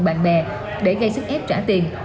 bạn bè để gây sức ép trả tiền